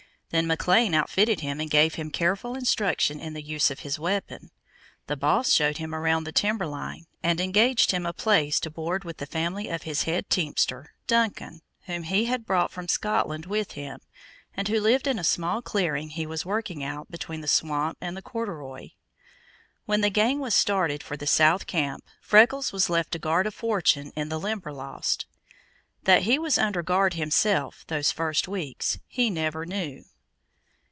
Then McLean outfitted him and gave him careful instruction in the use of his weapon. The Boss showed him around the timber line, and engaged him a place to board with the family of his head teamster, Duncan, whom he had brought from Scotland with him, and who lived in a small clearing he was working out between the swamp and the corduroy. When the gang was started for the south camp, Freckles was left to guard a fortune in the Limberlost. That he was under guard himself those first weeks he never knew.